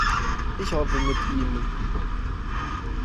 Ich hoffe mit ihnen.